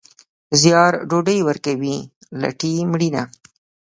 زیار ډوډۍ ورکوي، لټي مړینه.